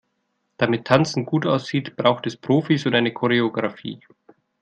Damit Tanzen gut aussieht, braucht es Profis und eine Choreografie.